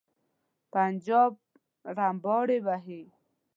پنجاب رمباړې وهي.